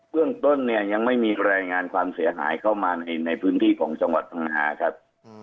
เรื่องต้นเนี่ยยังไม่มีรายงานความเสียหายเข้ามาในพื้นที่ของจังหวัดพังงาครับ